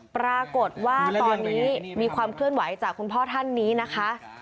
ปรากฏว่าตอนนี้มีความเคลื่อนไหวจากคุณพ่อท่านนี้นะคะ